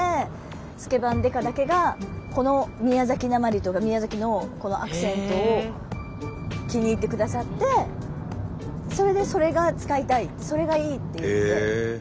「スケバン刑事」だけがこの宮崎なまりというか宮崎のアクセントを気に入ってくださってそれでそれが使いたいそれがいいっていって。